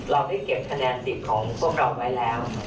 เราได้เก็บคะแนนสิทธิ์ของพวกเราไว้แล้ว